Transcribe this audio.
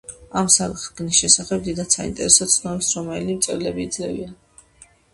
ამ საგნის შესახებ დიდად საინტერესო ცნობებს რომაელი მწერლები იძლევიან.